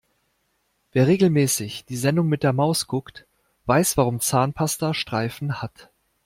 Wer regelmäßig die Sendung mit der Maus guckt, weiß warum Zahnpasta Streifen hat.